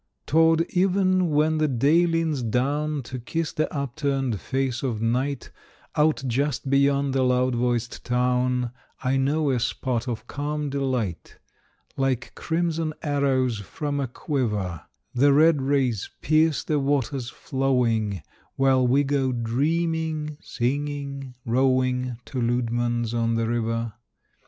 Toward even when the day leans down To kiss the upturned face of night, Out just beyond the loud voiced town I know a spot of calm delight. Like crimson arrows from a quiver The red rays pierce the waters flowing While we go dreaming, singing, rowing To Leudemann's on the River.